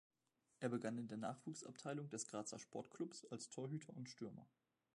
Er begann in der Nachwuchsabteilung des Grazer Sportklubs als Torhüter und Stürmer.